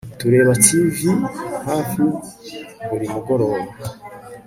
Tureba TV hafi buri mugoroba